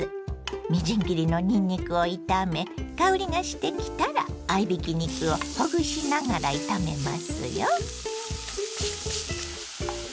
みじん切りのにんにくを炒め香りがしてきたら合いびき肉をほぐしながら炒めますよ。